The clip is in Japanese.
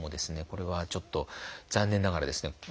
これはちょっと残念ながらですね